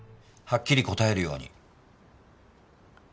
はっきり答えるように。